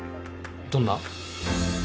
どんな？